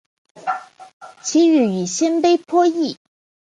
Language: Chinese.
其语与鲜卑颇异。